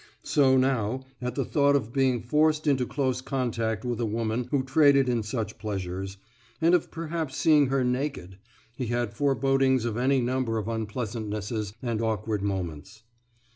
So now, at the thought of being forced into close contact with a woman who traded in such pleasures, and of perhaps seeing her naked, he had forebodings of any number of unpleasantnesses and awkward moments.